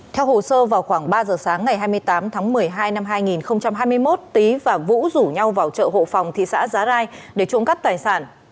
theo hồ sơ vào khoảng ba giờ sáng ngày hai mươi tám tháng một mươi hai năm hai nghìn hai mươi một tý và vũ rủ nhau vào chợ hộ phòng thị xã giá rai để trộm cắp tài sản